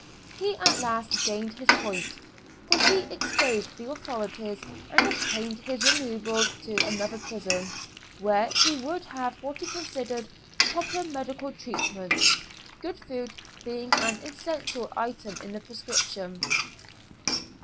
He at last gained his point, for he exposed the authorities and obtained his removal to another prison, where he would have what he considered proper medical treatment good food being an essential item in the prescription.